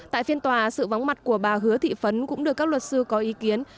tại phiên tòa sự vắng mặt của bà hứa thị phấn cũng được các luật sư có ý kiến